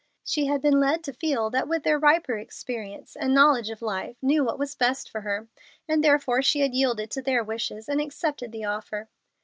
She had been led to feel that they with their riper experience and knowledge of life knew what was best for her, and therefore she had yielded to their wishes and accepted the offer."